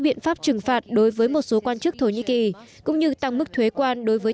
biện pháp trừng phạt đối với một số quan chức thổ nhĩ kỳ cũng như tăng mức thuế quan đối với